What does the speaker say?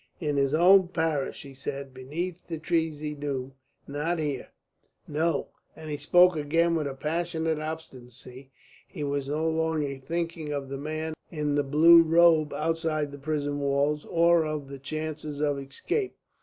'In his own parish,' he said, 'beneath the trees he knew.' Not here, no." And he spoke again with a passionate obstinacy. He was no longer thinking of the man in the blue robe outside the prison walls, or of the chances of escape.